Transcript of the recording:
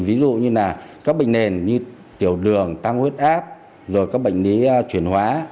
ví dụ như là các bệnh nền như tiểu đường tăng huyết áp rồi các bệnh lý chuyển hóa